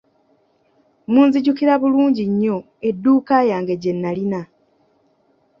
Munzijukira bulungi nnyo edduuka yange gyenalina!